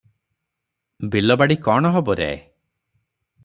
ବିଲବାଡ଼ି କ'ଣ ହବ ରେ?